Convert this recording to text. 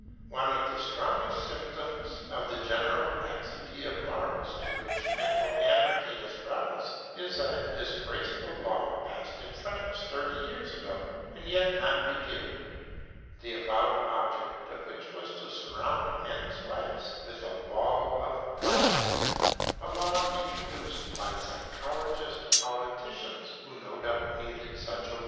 One of the strongest symptoms of the general laxity of morals to which mental anarchy has brought us, is that disgraceful law passed in France thirty years ago, and not yet repealed; the avowed object of which was to surround men's lives with a 'wall' of privacy; a law introduced by psychologist politicians who no doubt needed such a wall.